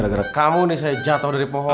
gara gara kamu nih saya jatoh dari pohon